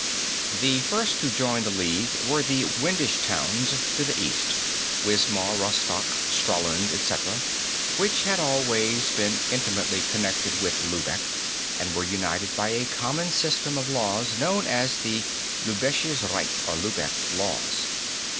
The first to join the League were the Wendish towns to the East, Wismar, Rostock, Stralsund, etc., which had always been intimately connected with Lübeck, and were united by a common system of laws known as the 'Lübisches Recht' (Lübeck Laws).